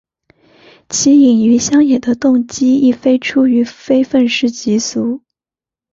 其隐于乡野的动机亦非出于非愤世嫉俗。